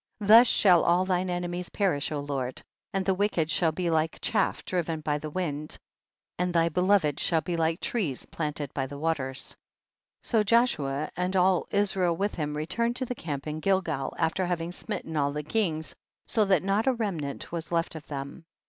22. Tiius shall all thine enemies perish O Lord, and the wicked shall be like chaff driven by the wind, and thy beloved shall be like trees plant ed by the waters. 23. So Joshua and all Israel with him returned to the camp in Gilgal, after having smitten all the kings, so that not a remnant was left of them.